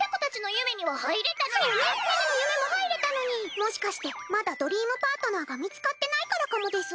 もしかしてまだドリームパートナーが見つかってないからかもです。